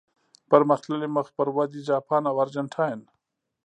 پرمختللي، مخ پر ودې، جاپان او ارجنټاین.